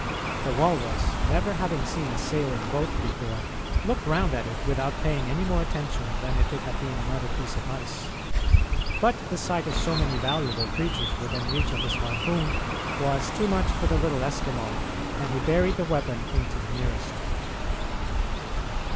The walrus, never having seen a sailing boat before, looked round at it without paying any more attention than if it had been another piece of ice. But the sight of so many valuable creatures within reach of his harpoon was too much for the little Eskimo, and he buried the weapon into the nearest.